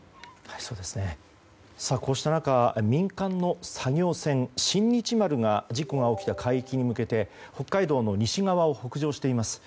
こうした中、民間の作業船「新日丸」が事故が起きた海域に向けて北海道西側を北上しています。